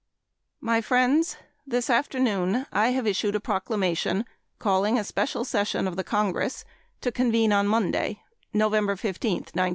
My Friends: This afternoon I have issued a Proclamation calling a special session of the Congress to convene on Monday, November 15, 1937.